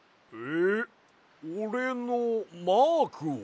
おれのマークを？